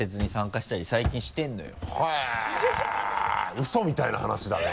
ウソみたいな話だね。